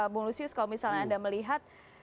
bung lusius kalau misalnya anda melihat